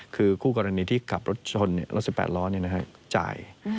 คือคู่กรณีที่กลับรถชนรถ๑๘ร้อนนี่นะฮะจ่าย